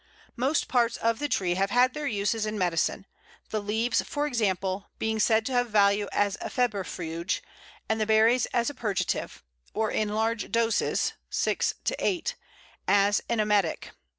] Most parts of the tree have had their uses in medicine; the leaves, for example, being said to have value as a febrifuge, and the berries as a purgative, or in large doses (6 to 8) as an emetic.